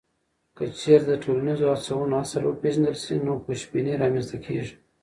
که چیرته د ټولنیزو هڅونو اصل وپېژندل سي، نو خوشبیني رامنځته کیږي.